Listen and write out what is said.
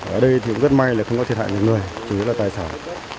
ở đây thì rất may là không có thiệt hại người người chủ yếu là tài sản